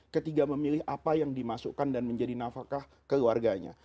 ketiga memilih apa yang dimasukkan dan menjadi nafakah keluarganya